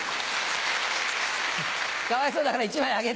かわいそうだから１枚あげて。